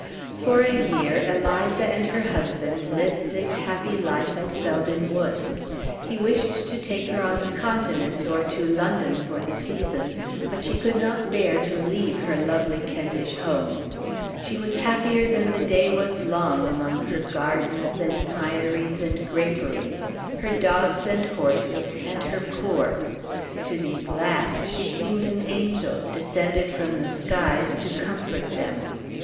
For a year Eliza and her husband lived this happy life at Felden Woods. He wished to take her on the Continent, or to London for the season; but she could not bear to leave her lovely Kentish home. She was happier than the day was long among her gardens, and pineries, and graperies, her dogs and horses, and her poor. To these last she seemed an angel, descended from the skies to comfort them.